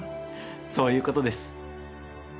そういうことです。